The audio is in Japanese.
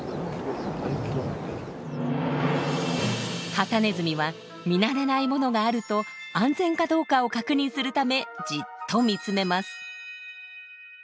ハタネズミは見慣れないものがあると安全かどうかを確認するためじっと見つめます。